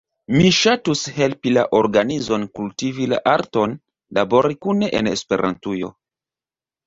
Mi ŝatus helpi la organizon kultivi la arton labori kune en Esperantujo.